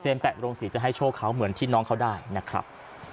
แปะโรงศรีจะให้โชคเขาเหมือนที่น้องเขาได้นะครับ